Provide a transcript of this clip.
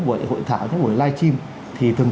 buổi hội thảo những buổi live stream thì thường